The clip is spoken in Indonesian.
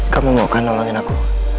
kamu mau kan nolongin aku